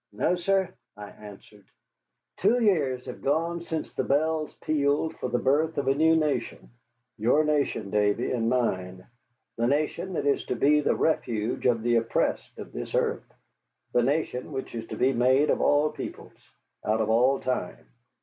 "No, sir," I answered. "Two years have gone since the bells pealed for the birth of a new nation your nation, Davy, and mine the nation that is to be the refuge of the oppressed of this earth the nation which is to be made of all peoples, out of all time.